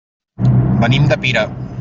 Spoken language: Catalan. Venim de Pira.